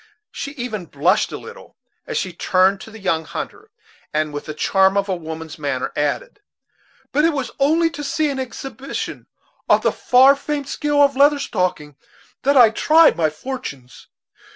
She even blushed a little as she turned to the young hunter, and with the charm of a woman's manner added: "But it was only to see an exhibition of the far famed skill of Leather Stocking, that I tried my fortunes.